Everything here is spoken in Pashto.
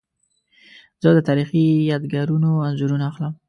زه د تاریخي یادګارونو انځورونه اخلم.